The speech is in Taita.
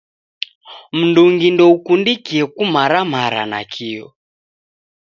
Mndungi ndoukundikie kumaramara nakio.